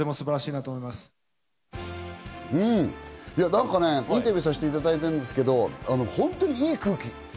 何かね、インタビューさせていただいたんですけど、本当にいい空気。